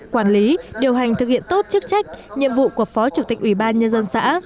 quản lý điều hành thực hiện tốt chức trách nhiệm vụ của phó chủ tịch ubnd xã